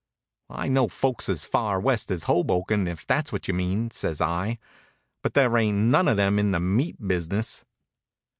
"I know folks as far west as Hoboken, if that's what you mean," says I, "but there ain't none of them in the meat business."